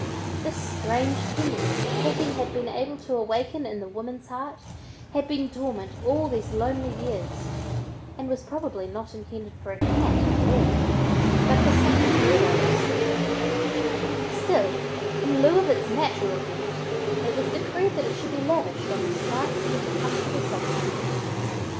This strange tenderness that pity had been able to awaken in the woman's heart had been dormant all these lonely years and was probably not intended for a cat at all, but for something dearer and sweeter; still, in lieu of its natural vent, it was decreed it should be lavished on this nice little comfortable substitute.